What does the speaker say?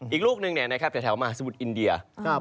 อีกลูกหนึ่งแถวมหาสมุทรอินเดีย